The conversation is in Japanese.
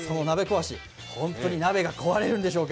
本当に鍋が壊れるんでしょうか。